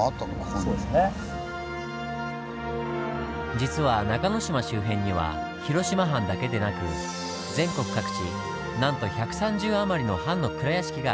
実は中之島周辺には広島藩だけでなく全国各地なんと１３０余りの藩の蔵屋敷がありました。